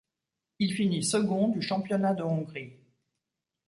Il finit second du championnat de Hongrie.